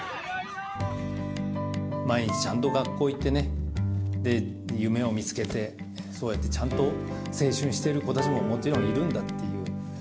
毎日、ちゃんと学校に行ってね、で、夢を見つけて、そうやってちゃんと青春してる子たちも、もちろんいるんだっていう。